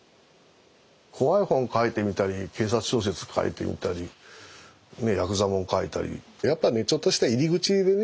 怖い本書いてみたり警察小説書いてみたりヤクザもん書いたりやっぱねちょっとした入り口でね